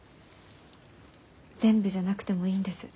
全部じゃなくてもいいんです。